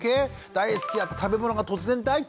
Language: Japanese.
大好きだった食べ物が突然大っ嫌い！